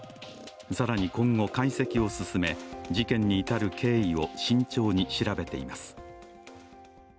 更に、今後解析を進め事件に至る経緯を慎重に調べています。